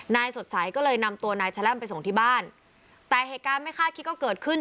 สดใสก็เลยนำตัวนายแชล่มไปส่งที่บ้านแต่เหตุการณ์ไม่คาดคิดก็เกิดขึ้น